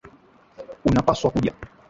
Unapaswa kuja.